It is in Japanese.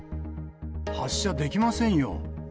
発車できませんよ。